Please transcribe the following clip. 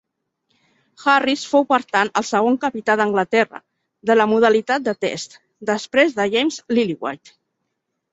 Harris fou per tant el segon capità d'Anglaterra de la modalitat de Test, després de James Lillywhite.